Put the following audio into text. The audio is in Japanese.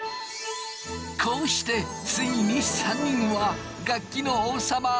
こうしてついに３人は楽器の王様ピアノになった！